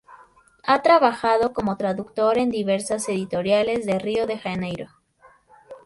Ha trabajado como traductor en diversas editoriales de Río de Janeiro.